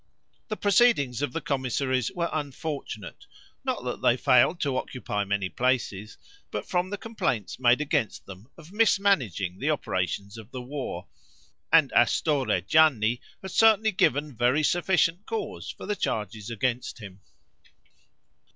The proceedings of the commissaries were unfortunate, not that they failed to occupy many places, but from the complaints made against them of mismanaging the operations of the war; and Astorre Gianni had certainly given very sufficient cause for the charges against him.